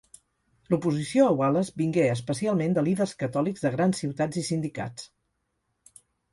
L'oposició a Wallace vingué especialment de líders catòlics de grans ciutats i sindicats.